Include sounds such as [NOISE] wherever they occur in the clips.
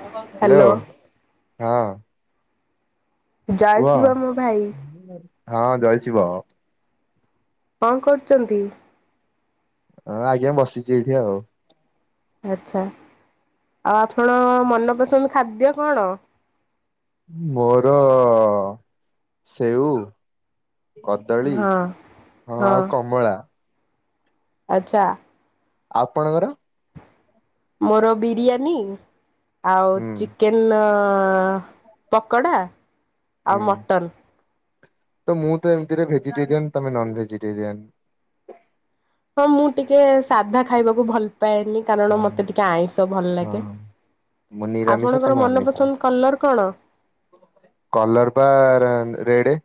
Hello ହଁ। ଜୟ କୁହ ଶିବ ମୋ ଭାଇ। ହଁ ଜୟ ଶିବ। କଣ କରୁଛନ୍ତି? ହଁ ଆଜ୍ଞା ବସିଛି ଏଇଠି ଆଉ। ଆଚ୍ଛା ଆଉ ଆପଣ ମନପସନ୍ଦ ଖାଦ୍ୟ କଣ? ମୋର ସେଉ କଦଳୀ ହଁ ହଁ ଆଉ କମଳା। ଆଚ୍ଛା। ଆପଣଙ୍କର? ମୋର ବିରିୟାନୀ ଆଉ ହୁଁ ଚିକ୍ ଚିକେନ୍ ଅ ପକୋଡ଼ା ହୁଁ ଆଉ ମଟନ୍। ତ ମୁଁ ତ ଏମିତିରେ ଭେଜିଟେରିଆନ ତମେ ନନ୍ ଭେଜିଟେରିଆନ୍। ହଁ ମୁଁ ଟିକେ ସାଧା ଖାଇବାକୁ ଭଲ ପାଏନି କାରଣ ହଁ ମତେ ଟିକେ ଆଇଁଷ ଭଲ ଲାଗେ। ହଁ ମୁଁ ନିରାମିଷ ଆପଣଙ୍କର ତମେ ଆମିଷ ମନପସନ୍ଦ କଲର କଣ? କଲର ବା ଆ ରେଡେ।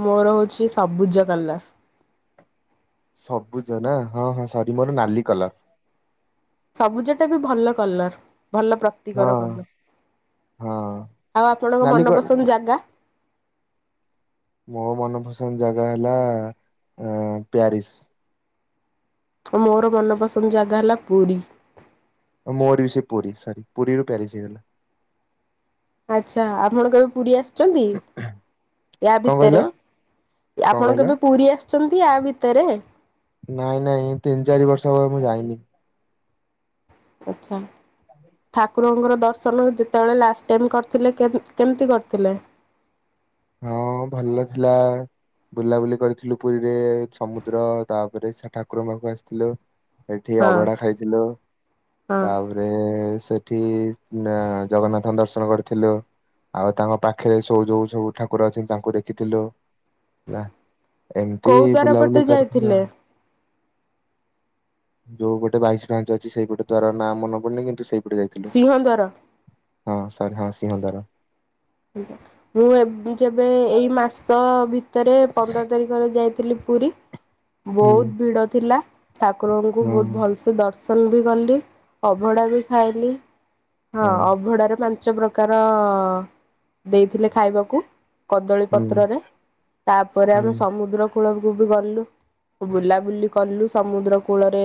ମୋର ହଉଛି ସବୁଜ କଲର। ସବୁଜ ନା ହଁ ହଁ ସରି ମୋର ନାଲି କଲର। ସବୁଜ ଟା ବି ଭଲ କଲର ଭଲ ପ୍ର ପ୍ରତୀକ ହଁ ର କଲର୍ ହଁ ଆଉ ଆପଣଙ୍କ ନାଲି କ ମନପସନ୍ଦ ଜାଗା? ମୋ ମନପସନ୍ଦ ଜାଗା ହେଲା ଆ ପ୍ୟାରିସ। ମୋର ମନପସନ୍ଦ ଜାଗା ହେଲା ପୁରୀ। ମୋର ବି ସେ ପୁରୀ ସରି ପୁରୀରୁ ପ୍ୟାରିସ୍ ହେଇ ଗଲା। ଆଚ୍ଛା ଆପଣ କେବେ ପୁରୀ ଆସିଛନ୍ତି? ୟା କଣ କହିଲ ଭିତରେ କଣ ଆପଣ କହିଲ? କେବେ ପୁରୀ ଆସିଛନ୍ତି ୟା ଭିତରେ? ନାଇଁ ନାଇଁ ତିନି ଚାରି ବର୍ଷ ହବ ମୁଁ ଯାଇନି। ଆଚ୍ଛା। ଠାକୁରଙ୍କର ଦର୍ଶନ ଯେତେବେଳେ ଲାଷ୍ଟ ଟାଇମ୍ କରିଥିଲେ କେମ କେମିତି କରିଥିଲେ? ହଁ ଭଲ ଥିଲା। ବୁଲାବୁଲି କରିଥିଲୁ ପୁରୀରେ ସମୁଦ୍ର ତାପରେ ସେ ଠାକୁରଙ୍କ ପାଖକୁ ଆସିଥିଲୁ। ଏଠି ହଁ ଅଭଢା ଖାଇଥିଲୁ ହଁ ତା ପରେ ସେଠି ନା ଜଗନ୍ନାଥଙ୍କ ଦର୍ଶନ କରିଥିଲୁ। ଆଉ ତାଙ୍କ ପାଖରେ ଶୋଉ ଯୋଉ ସବୁ ଠାକୁର ଅଛନ୍ତି ତାଙ୍କୁ ଦେଖିଥିଲୁ ନା। ଏମତି କୋଉ ଦ୍ୱାର ପଟେ ବୁଲାବୁଲି କରିଥିଲୁ ଯାଇଥିଲେ? ଆଉ। ଯୋଉ ପଟେ ବାଇଶି ପାହାଚ ଅଛି ସେଇପଟେ ଦ୍ୱାର ନାଁ ମନେ ପଡୁନି କିନ୍ତୁ ସେଇପଟେ ଯାଇଥିଲୁ। ସିଂହ ଦ୍ୱାର। ହଁ ସରି ହଁ ସିଂହ ଦ୍ୱାର। ମୁଁ ଏବେ ଯେବେ ଏଇ ମାସ ଭି ଭିତରେ ପନ୍ଦର ତାରିଖରେ ଯାଇଥିଲି ପୁରୀ ହୁଁ ବହୁତ ଭିଡ ଥିଲା। ଠାକୁରଙ୍କୁ ହଁ। ବହୁତ ଭଲସେ ଦର୍ଶନ ବି କଲି ଅଭଢା ବି ଖାଇଲି। ହଁ ଅଭଢା ରେ ପାଞ୍ଚ ପ୍ରକାର ଦେଇଥିଲେ ଖାଇବାକୁ କଦଳୀ ହୁଁ ପତ୍ରରେ ତାପରେ ହୁଁ ଆମେ ସମୁଦ୍ରକୁ ପୂଳକୁ ବି ଗଲୁ। ବୁଲାବୁଲି କଲୁ ସମୁଦ୍ର କୂଳରେ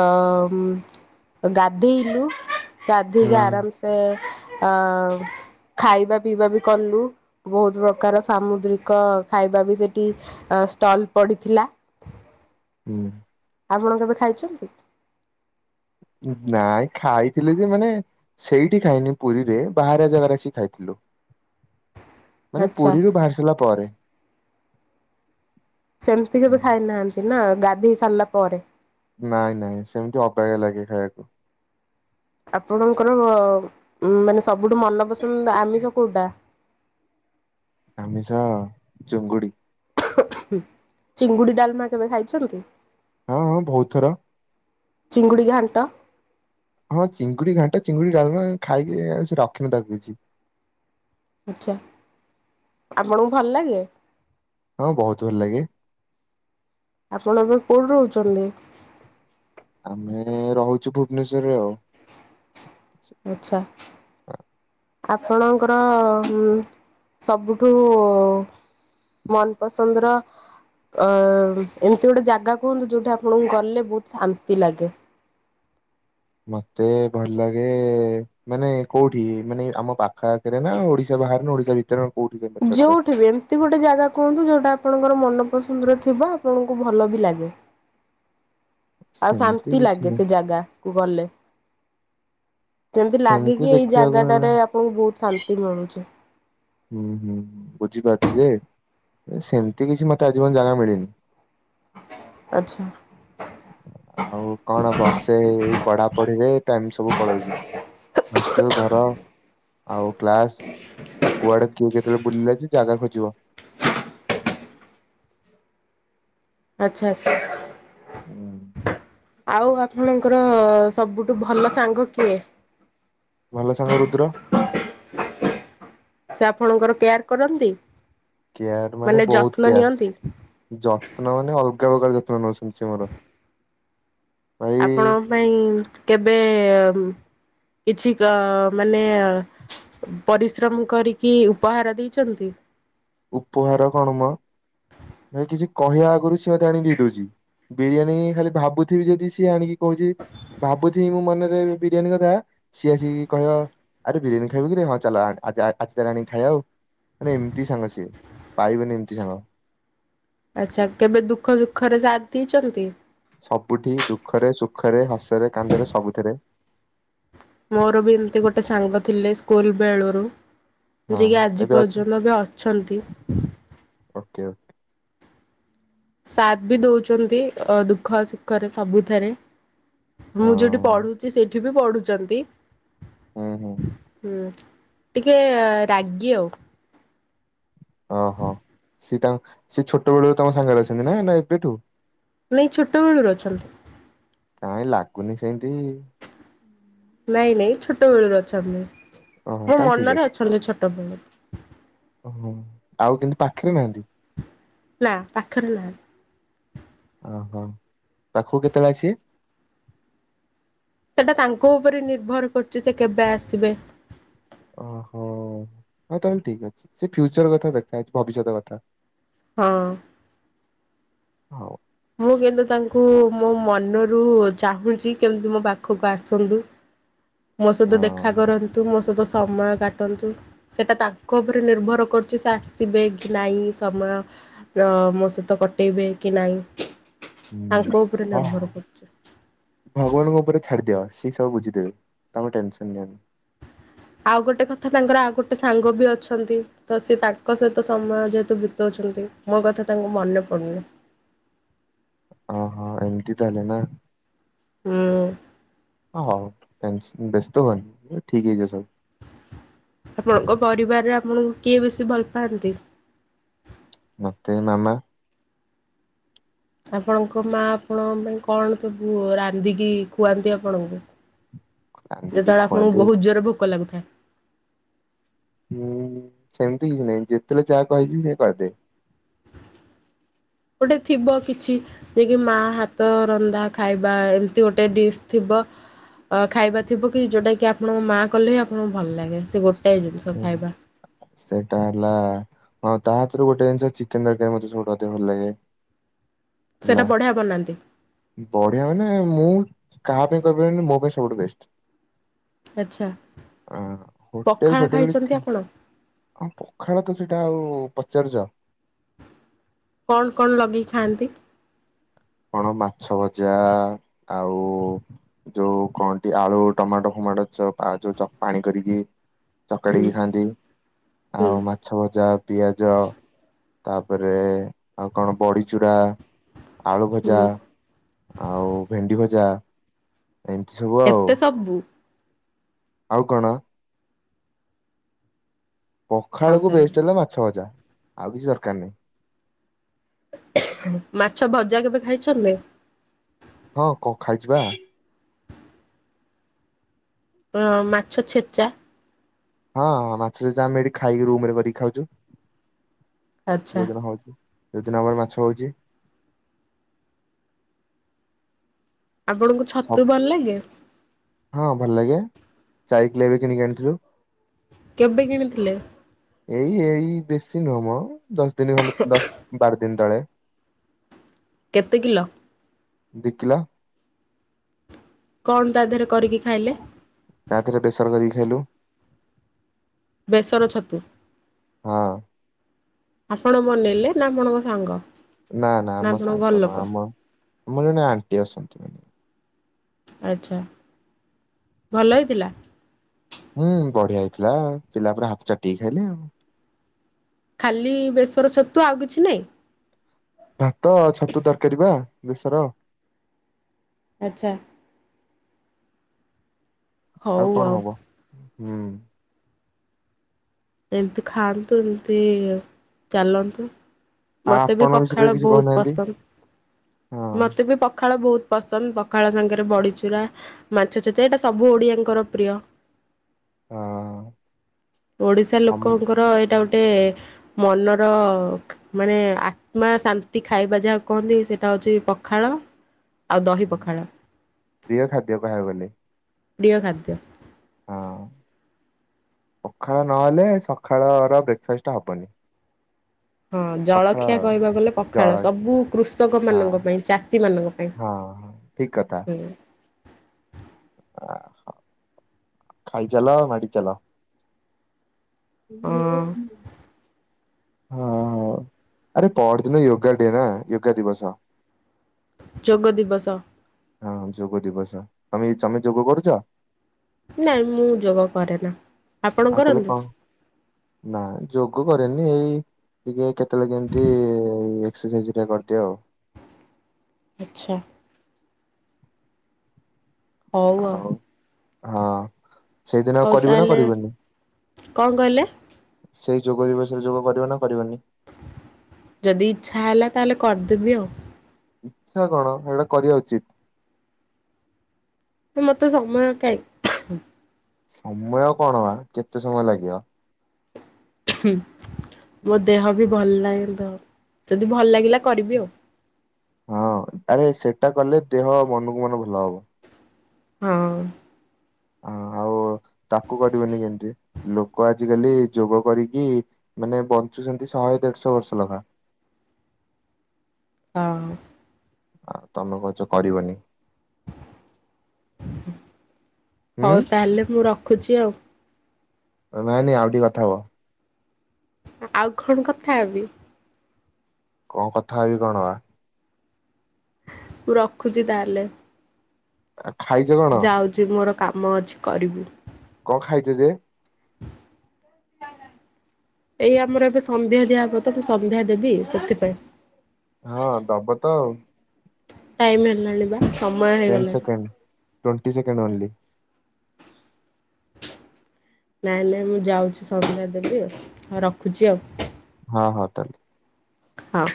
ଅ ମ-ମ ଗାଧେଇଲୁ ଗାଧେଇକି ହୁଁ ଆରାମ ସେ ଅ ଖାଇବା ପିଇବା ବି କଲୁ। ବହୁତ ପ୍ରକାର ସାମୁଦ୍ରିକ ଖାଇବା ବି ସେଠି ଷ୍ଟଲ ପଡିଥିଲା। ହଁ। ଆପଣ କେବେ ଖାଇଛନ୍ତି? ନାଇଁ ଖାଇଥିଲେ ଯେ ମାନେ ସେଇଠି ଖାଇନି ପୁରୀରେ ବାହାରେ ଜାଗାରେ ଆସିିକି ଖାଇଥିଲୁ। ମାନେ ଆଚ୍ଛା ପୁରୀରୁ ବାହାରି ସାରିଲା ପରେ। ସେମତି କେବେ ଖାଇନାହାନ୍ତି ନା ଗାଧେଇ ସାରିଲା ପରେ? ନାଇଁ ନାଇଁ ସେମତି ଅବାଗିଆ ଲାଗେ ଖାଇବାକୁ। ଆପଣଙ୍କର ମ-ମ ମାନେ ସବୁଠୁ ମନପସନ୍ଦ ଆମିଷ କୋଉଟା? ଆମିଷ ଚୁଙ୍ଗୁଡି। ଚିଙ୍ଗୁଡି ଡାଲମା କେବେ ଖାଇଛନ୍ତି? ହଁ ହଁ ବହୁତଥର। ଚିଙ୍ଗୁଡି ଘାଣ୍ଟ? ହଁ ଚିଙ୍ଗୁଡି ଘାଣ୍ଟ ଚିଙ୍ଗୁଡି ଡାଲମା ଖାଇକି ଆଉ ସେ ରଖିନୁ ତାକୁ କିଛି। ଆଚ୍ଛା ଆପଣଙ୍କୁ ଭଲ ଲାଗେ? ହଁ ବହୁତ ଭଲ ଲାଗେ। ଆପଣ ଏବେ କୋଉଠି ରହୁଛନ୍ତି? ଆମେ ରହୁଛୁ ଭୁବନେଶ୍ଵରରେ ଆଉ। ଆଚ୍ଛା। ଆପଣଙ୍କର ମ-ମ ସବୁଠୁ ମନପସନ୍ଦର ଅ ଏମତି ଗୋଟେ ଜାଗା କୁହନ୍ତୁ ଯୋଉଠି ଆପଣଙ୍କୁ ଗଲେ ବହୁତ ଶାନ୍ତି ଲାଗେ। ମତେ ଭଲ ଲାଗେ, ମାନେ କୋଉଠି ମାନେ ଆମ ପାଖ ଆଖରେ ନା ଓଡିଶା ବାହାରେ ନା ଓଡିଶା ଭିତରେ କୋଉଠି ତମେ ପଚାରୁଛ? ଯୋଉଠି ବି ଏମିତି ଗୋଟେ ଜାଗା କୁହନ୍ତୁ ଯୋଉଟା ଆପଣଙ୍କର ମନପସନ୍ଦର ଥିବ ଆପଣଙ୍କୁ ଭଲ ବି ଲାଗେ ଆଉ ସେମିତି ଶାନ୍ତି କିଛି ଲାଗେ ସେ ନାହିଁ ଜାଗା କୁୁ ଗଲେ କେମିତି ସେମିତି ଲାଗିକି ଏଇ ଦେଖିବାକୁ ହେଲେ ଜାଗାଟାରେ ଆପଣଙ୍କୁ ବହୁତ ଶାନ୍ତି ମିଳୁଛି। ହୁଁ ହୁଁ ବୁଝିପାରୁଛି ଯେ ସେମିତି କିଛି ମତେ ଆଜି ପର୍ଯନ୍ତ ଜାଗା ମିଳିନି। ଆଚ୍ଛା। ଆଉ କଣ ବର୍ଷେ ଏଇ ପଢା ପଢ଼ିରେ ଟାଇମ ସବୁ ପଳାଉଛି। ହଷ୍ଟେଲ ଘର ଆଉ କ୍ଲାସ, ଆଉ କୁଆଡେ କିଏ କେତେବେଳେ ବୁଲିଲା ଜାଗା ଖୋଜିବ। ଆଚ୍ଛା ଆଚ୍ଛା। ହୁଁ [INAUDIBLE] ଆଉ ଆପଣଙ୍କର ସବୁଠୁ ଭଲ ସାଙ୍ଗ କିଏ, ଭଲ ସାଙ୍ଗ ରୁଦ୍ର, ସେ ଆପଣଙ୍କର କେୟାର କରନ୍ତି। କେୟାର ମାନେ ବହୁତ ଯତ୍ନ କେୟାର ନିଅନ୍ତି ଯତ୍ନ ମାନେ ଅଲଗା ପ୍ରକାର ଯତ୍ନ ନେଉଛନ୍ତି ସେ ମୋର ଭାଇ ଆପଣଙ୍କ ପାଇଁ କେବେ କିଛି ଗା ମାନେ ପରିଶ୍ରମ କରିକି ଉପହାର ଦେଇଛନ୍ତି। ଉପହାର, କଣ ମ ନ କିଛି କହିବା ଆଗରୁ ସିଏ ମତେ ଆଣି ଦେଇ ଦଉଛି। ବିରିୟାନୀ ଖାଲି ଭାବୁଥିବି ଯଦି ସିଏ ଆଣିକି କହୁଛି ଭାବୁ ଥିବି ମୁଁ ମନରେ ବିରିୟାନୀ କଥା ସିଏ ଆସିକି କହିବ ଆରେ ବିରିୟାନୀ ଖାଇବୁ କିରେ ହଁ ଚାଲ ଆଜି ତାହେଲେ ଆଣିକି ଖାଇବା ଆଉ। ମାନେ ଏମିତି ସାଙ୍ଗ ସିଏ ପାଇବେନି ଏମିତି ସାଙ୍ଗ, ଆଚ୍ଛା କେବେ ଦୁଃଖ ସୁଖରେ ସାଥ୍ ଦେଇଛନ୍ତି। ସବୁଠି ଦୁଃଖରେ ସୁଖରେ ହସରେ କାନ୍ଦରେ, ସବୁଥିରେ ମୋର ବି ଏମିତି ଗୋଟେ ସାଙ୍ଗ ଥିଲେ ସ୍କୁଲ ବେଳୁରୁ ହଁ ଯଏକି ଆଜି ଏବେ ଅଛି ପର୍ଯ୍ୟନ୍ତ ବି ଅଛନ୍ତି। ଓକେ ସାଥ୍ ବି ଦଉଛନ୍ତି। ଅ ଦୁଃଖ ସୁଖରେ ସବୁଥିରେ ମୁଁ ଯୋଉଠି ହଁ ପଢୁଛି ସେଠି ବି ପଢୁଛନ୍ତି। ହୁଁ ହୁଁ, ହଁ ଟିକେ ରାଗି ଆଉ ଓହୋ ସିଏ ତାଙ୍କ ସିଏ ଛୋଟ ବେଳୁ ତମ ସାଙ୍ଗରେ ଅଛନ୍ତି। ନା ଏବେଠୁ ନାଇଁ ଛୋଟ ବେଳୁରୁ ଅଛନ୍ତି। କାହିଁ ଲାଗୁନି ସେମିତି, ନାଇଁ ନାଇଁ ଛୋଟ ବେଳୁରୁ ଅଛନ୍ତି। ଓହୋ ମୋ ତାହଲେ ଠିକ ମନରେ ଅଛି। ଅଛନ୍ତି ଛୋଟ ବେଳୁ ଆଉ କିନ୍ତୁ ପାଖରେ ନାହାନ୍ତି। ନା ପାଖରେ ନାହାନ୍ତି ଓହୋ ପାଖକୁ କେତେବେଳେ ଆସିବେ। ସେଟା ତାଙ୍କ ଉପରେ ନିର୍ଭର କରୁଛି। ସେ କେବେ ଆସିବେ ଓହୋ ହଉ ତାହେଲେ ଠିକ ଅଛି ସେ ଫ୍ୟୁଚର କଥା ଦେଖାଛି ଭବିଷ୍ୟତ କଥା, ହଁ। ହଉ। ମୁଁ କିନ୍ତୁ ତାଙ୍କୁ ମୋ ମନରୁ ଚାହୁଁଛି କେମିତି ମୋ ପାଖକୁ ଆସନ୍ତୁ। ମୋ ସହିତ ହଁ ଦେଖା କରନ୍ତୁ ମୋ ସହିତ ସମୟ କାଟନ୍ତୁ। ସେଟା ତାଙ୍କ ଉପରେ ନିର୍ଭର କରୁଛି ସେ ଆସିବେ କି ନାଇଁ ସମୟ। ଅ ମୋ ସହିତ କଟେଇବେ କି ନାଇଁ ହୁଁ ତାଙ୍କ ଉପରେ ହଁ ହଁ। ନିର୍ଭର କରୁଛି। ଭଗବାନଙ୍କ ଉପରେ ଛାଡିଦିଅ ସି ସବୁ ବୁଝିଦେବେ ତମେ ଟେନସନ ନିଅନି। ଆଉ ଗୋଟେ କଥା ତାଙ୍କର ଆଉ ଗୋଟେ ସାଙ୍ଗ ବି ଅଛନ୍ତି। ତ ସେ ତାଙ୍କ ସହିତ ସମୟ ଯେହେତୁ ବିତାଉଛନ୍ତି ମୋ କଥା ତାଙ୍କୁ ମନେ ପଡ଼ୁନି। ଓ ହୋ ଏମିତି ତାଲେ ନା। ହଁ। ହଉ ଟେନସନ୍ ବ୍ୟସ୍ତ ହୁଅନି ଠିକ୍ ହେଇଯିବ ସବୁ। ଆପଣଙ୍କ ପରିବାରରେ ଆପଣଙ୍କୁ କିଏ ବେଶୀ ଭଲ ପାଆନ୍ତି। ମେ ମାମା। ଆପଣଙ୍କ ମା ଆପଣଙ୍କ ପାଇଁ କଣ ସବୁ ରାନ୍ଧିକି ଖୁଆନ୍ତି ଆପଣଙ୍କୁ। ରାନ୍ଧିକି ଯେତେବେଳେ ଆପଣଙ୍କୁ ଖୁଆନ୍ତି ବହୁତ ଜୋରରେ ଭୋକ ଲାଗୁଥାଏ। ହୁଁ ସେମିତି କିଛି ନାହିଁ ଯେତେବେଳେ ଯାହା କହିଛି ସେ କରିଦିଏ। ଗୋଟେ ଥିବ କିଛି। ଯିଏକି ମା ହାତ ରନ୍ଧା ଖାଇବା ଏମିତି ଗୋଟେ ଡିସ୍ ଥିବ। ଅ ଖାଇବା ଥିବ କି ଯୋଉଟା କି ଆପଣଙ୍କ ମା କଲେ ହ ଆପଣଙ୍କୁ ଭଲ ଲାଗେ ସେ ଗୋଟାଏ ଜିନିଷ ଖାଇବା। ସେଟା ହେଲା। ହଁ ତା ହାତରୁ ଗୋଟେ ଜିନିଷ ଚିକେନ ତରକାରୀ ମତେ ସବଠୁ ଅଧିକ ଭଲ ଲାଗେ। ହେଲା। ସେଇଟା ବଢ଼ିଆ ବାନାନ୍ତି। ବଢିଆ ମାନେ ମୁଁ କାହା ପାଇଁ କହିବିନି ମୋ ପାଇଁ ସବୁଠୁ ବେଷ୍ଟ। ଆଚ୍ଛା ହୋଟେଲ ପଖାଳ ଫୋଟେଲ କି- ଖାଇଛନ୍ତି ଆପଣ। ହଁ ପଖାଳ ତ ସେଇଟା ଆଉ ପଚାରୁଛ। କଣ କଣ ଲଗେଇ ଖାଆନ୍ତି। କଣ ମାଛ ଭଜା ଆଉ। ଯୋଉ କଣନ୍ତି ଆଳୁ, ଟମାଟୋ ଫମାଟୋ ଯୋଉ ପାଣି କରିକି। ହୁଁ ଚକଡିକି ଖାଆନ୍ତି ହୁଁ ଆଉ ମା ମାଛଭଜା, ପିଆଜ, ତାପରେ ଆଉ କଣ ବଡ଼ିଚୁରା। ହୁଁ ଆଳୁଭଜା ଆଉ ଭେଣ୍ଡିଭଜା ଏମିତି ସବୁ ଆଉ। କବୁ [UNINTELLIGIBLE] ଆଉ କଣ। ଆଉ ପଖାଳକୁ ତାହେଲେ ବେଷ୍ଟ ହେଲେ ମାଛଭଜା ଆଉ କିଛି ଦରକାର ନାହିଁ। ମାଛ ଭଜା କେବେ ଖାଇଛନ୍ତି। ହଁ କଁ ଖାଇଛିି ପା। ଅ ମାଛ ଛେଚା। ହଁ ମାଛ ଛେଚା ଆମେ ଏଠି ଖାଇକି ରୁମରେ କରିକି ଖାଉଛୁ ଆଚ୍ଛା ଯୋଉଦିନ ହଉଛି। ଯଉଦିନ ଆମର ମାଛ ହଉଛି। ଆପଣଙ୍କୁ ସବ ଛତୁ ଭଲ ଲାଗେ। ହଁ ଭଲ ଲାଗେ ଯାଇଥିଲି ଏବେ କିଣିକି ଆଣିଥିଲୁ। କେବେ କିଣିଥିଲେ,। ଏଇ ଏଇ ବେଶୀ ନୁହମ ଦଶ ଦିନ ଖଣ୍ଡ ଦଶ ବାର ଦିନ ତଳେ। କେତେ କିଲ। ଦି କିଲ। କଣ ତା ଦେହରେ କରିକି ଖାଇଲେ, ତା ଦେହରେ ପ୍ରେସର କରିକି ଖାଇଲୁ। ବେସର ଛତୁ। ହଁ ଆପଣ ବନେଇଲେ ନା ଆପଣଙ୍କ ସାଙ୍ଗ? ନା ନା ଆମ ଆପଣଙ୍କ ଘର ସାଙ୍ଗ ନୁହଁ ଲୋକ? ଆମ ଆମର ଜଣେ ଆଣ୍ଟି ଆସନ୍ତି- ଆଚ୍ଛା ଭଲ ହେଇଥିଲା। ହୁଁ ବଢିଆ ହେଇଥିଲା ପିଲା ପୁରା ହାତଟ ଚାଟିକି ଖାଇଲେ ଆଉ। ଖାଲି ବେେଶର ଛତୁ ଆଉ କିଛି ନାହିଁ। ଭାତ ଆଉ ଛତୁ ତରକାରୀ ବା ବେଶର। ଆଚ୍ଛା ଆଉ କଣ ହବ ହୁଁ। ଏମିତି ଖାଆନ୍ତୁ ଏମିତି ଚାଲନ୍ତୁ। ଆଉ ମତେ ବି ଆପଣଙ୍କ ବିଷୟରେ ପଖାଳ କିଛି ବହୁତ କହୁନାହାନ୍ତି ପସନ୍ଦ। ହଁ ମତେ ବି ପଖାଳ ବହୁତ ପସନ୍ଦ ପଖାଳ ସାଙ୍ଗରେ ବଡ଼ିଚୁରା। ମାଛଛେଚା ଏଇଟା ସବୁ ଓଡ଼ିଆଙ୍କର ପ୍ରିୟ। ହଁ ଓଡିଶା ସମ ଲୋକଙ୍କର ଏଇଟା ଗୋଟେ ମନର ମାନେ ଆତ୍ମା ଶାନ୍ତି ଖାଇବା ଯାହା କୁହନ୍ତି ସେଇଟା ହଉଛି ପଖାଳ। ଆଉ ଦହି ହୁଁ, ପଖାଳ ପ୍ରିୟ ଖାଦ୍ୟ କହିବାକୁ ଗଲେ ପ୍ରିୟ ଖାଦ୍ୟ। ହଁ [INAUDIBLE] ପଖାଳ ନହେଲେ ସକାଳ ର ବ୍ରେକ ଫାଷ୍ଟ ହବନି। ହଁ ସକାଳ ଜଳଖିଆ କହିବାକୁ ଗଲେ ଜଳ ପଖାଳ ସବୁ କୃଷକ ହଁ ମାନଙ୍କ ପାଇଁ ଚାଷୀ ମାନଙ୍କ ପାଇଁ। [UNINTELLIGIBLE] ହଁ ହଁ ଠିକ କଥା। ହୁଁ ଖାାଇ ଚାଲ ମାଡ଼ି ଚାଲ। ହୁଁ ହଁ [UNINTELLIGIBLE] ହଁ ହ ଆରେ ପର୍ରଦିନ ୟୋଗା ଡେ ନା ୟୋଗା ଦିବସ। ଯୋଗ ଦିବସ। ହଁ ଯୋଗ ଦିବସ ତମେ ତମେ ଯୋଗ କରୁଛ? ନାଇଁ ମୁଁ ଯୋଗ କରେ ନା ଆପଣ ଆଉ ତାହେଲେ କରନ୍ତି? କଣ ନା ଯୋଗ କରେନି ଏଇ ଟିକେ କେତେବେଳେ କେମିତି [UNINTELLIGIBLE] କରିଦିଏ ଆଉ। ଆଚ୍ଛା। ହଉ ଆଉ। ହଁ ସେଇଦିନ ହଉ କରିବ ନା ତାହେଲେ କରିବନି? କଣ କହିଲେ? ସେଇ ଯୋଗ ଦିବସ ରେ ଯୋଗ କରିବ ନା କରିବନି? ଯଦି ଇଛା ହେଲା ତାହେଲେ କରିଦେବି ଆଉ। ଇଚ୍ଛା କଣ ସେଇଟା କରିବା ଉଚିତ। ମୋତେ ସମୟ କାଇଁ। ସମୟ କଣ ବା କେତେ ସମୟ ଲାଗିବ। ମୋ ଦେହ ବି ଭଲ ନାହିଁ ଦ ଯଦି ଭଲ ଲାଗିଲା କରିବି ଆଉ। ହଁ ଆରେ ସେଟା କଲେ ଦେହ ମନକୁ ମନ ଭଲ ହବ। ହଁ। ଆଉ [INAUDIBLE] ତାକୁ କରିବନି କେମିତି ଲୋକ ଆଜିକାଲି ଯୋଗ କରିକି ମାନେ ବଞ୍ଚୁଛନ୍ତି ଶହେ ଦେଢଶ ବର୍ଷ ଲେଖା। ହଁ। ଆ ତମେ କଚ କରିବନି? ହୁଁ ହଉ ତାହେଲେ ମୁଁ ରଖୁଚି ଆଉ। ନାଇ ନାଇଁ ଆଉ ଟିକେ କଥା ହୁଅ ଆଉ କଣ କଥା ହେବି? କଣ କଥା ହେବି କଣ ବା? ମୁଁ ରଖୁଛି ତାହେଲେ? ଆ ଖାଇଛ କଣ? ଯେ ମୋର କାମ ଅଛି କରିବୁ କଣ ଖାଇଛ ଯେ? [INAUDIBLE] [UNINTELLIGIBLE] ଏଇ ଆମର ଏବେ ସନ୍ଧ୍ୟା ଦିଆହବ ତ ମୁଁ ସନ୍ଧ୍ୟା ଦେବି ସେଥିପାଇଁ। ହଁ ଦବ ତ ଆଉ। ଟାଇମ୍ ହେଲାଣି ବା। ସମୟ [UNINTELLIGIBLE] ଟେନ୍ ହେଇଗଲାଣି। ସେକେଣ୍ଡ୍ [UNINTELLIGIBLE] ନାଇଁ ନାଇଁ ମୁଁ ଯାଉଛି ସନ୍ଧ୍ୟା ଦେବି ଆଉ ରଖୁଚି ଆଉ। ହଁ ହଉ ତା ଲେ ହଁ।